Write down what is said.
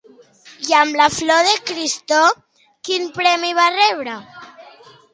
I amb Lo flor de Cristo quin premi va rebre?